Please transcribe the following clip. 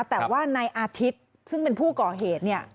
แต่ว่านายอาทิตย์ซึ่งเป็นผู้ก่อเหตุเนี่ย